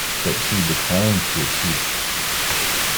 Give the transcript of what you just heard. But she declines to accede.